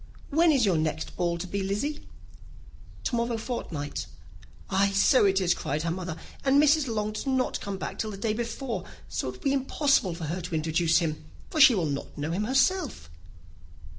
"When is your next ball to be, Lizzy?" "To morrow fortnight." "Ay, so it is," cried her mother, "and Mrs. Long does not come back till the day before; so, it will be impossible for her to introduce him, for she will not know him herself."